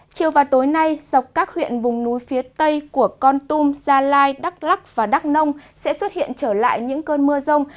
chiều và tối nay dọc các huyện vùng núi phía tây của con tum gia lai đắk lắc và đắk nông sẽ xuất hiện trở lại những cơn mưa rông